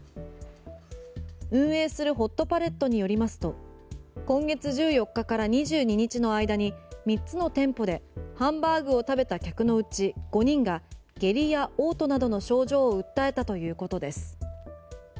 運営するホットパレットによりますと今月１４日から２２日の間に３つの店舗でハンバーグを食べた客のうち５人が下痢や嘔吐などの症状を訴えたということです。